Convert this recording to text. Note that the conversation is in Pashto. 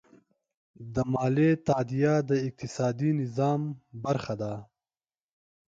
د مالیې تادیه د اقتصادي نظم برخه ده.